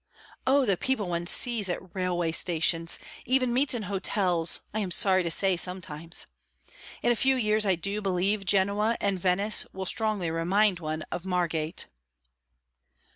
Oh, the people one sees at railway stations, even meets in hotels, I am sorry to say, sometimes! In a few years, I do believe, Genoa and Venice will strongly remind one of Margate."